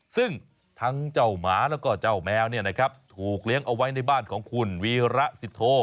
ซึ่งทั้งเจ้าหมาแล้วก็เจ้าแมวถูกเลี้ยงเอาไว้ในบ้านของคุณวีระสิโธ